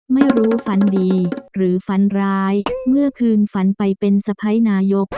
ไม่รู้ฝันดีหรือฝันร้ายเมื่อคืนฝันไปเป็นสะพ้ายนายก